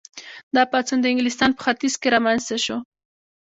دا پاڅون د انګلستان په ختیځ کې رامنځته شو.